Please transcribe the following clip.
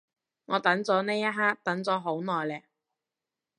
我等咗呢一刻等咗好耐嘞